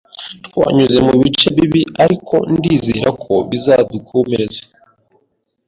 Twanyuze mubice bibi, ariko ndizera ko bizadukomeza.